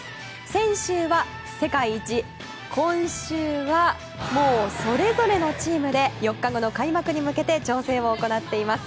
先週は世界一今週は、もうそれぞれのチームで４日後の開幕に向けて調整を行っています。